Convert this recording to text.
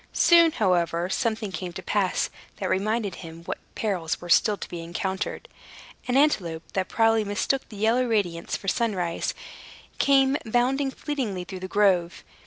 Soon, however, something came to pass, that reminded him what perils were still to be encountered. An antelope, that probably mistook the yellow radiance for sunrise, came bounding fleetly through the grove.